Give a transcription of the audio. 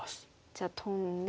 じゃあトンで。